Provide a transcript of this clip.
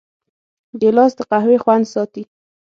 ګیلاس د قهوې خوند ساتي.